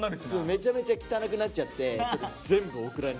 めちゃめちゃ汚くなっちゃってうわ！